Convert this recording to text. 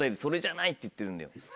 「それじゃない」って言ってるんだよ。